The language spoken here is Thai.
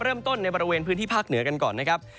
ในบริเวณพื้นที่ภาคเหนือกันก่อนนะครับ